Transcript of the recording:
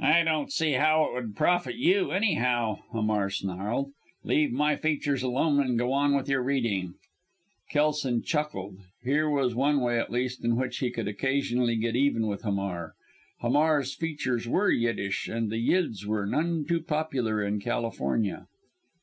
"I don't see how it would profit you anyhow," Hamar snarled. "Leave my features alone and go on with your reading." Kelson chuckled here was one way at least in which he could occasionally get even with Hamar. Hamar's features were Yiddish, and the Yids were none too popular in California.